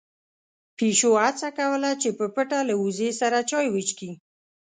پيشو هڅه کوله چې په پټه له وزې سره چای وڅښي.